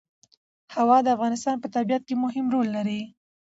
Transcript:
هوا د افغانستان په طبیعت کې مهم رول لري.